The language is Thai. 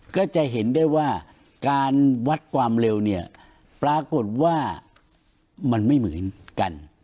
ก็จะเห็นได้ว่าการวัดความเร็วเนี่ยปรากฏว่ามันไม่เหมือนกัน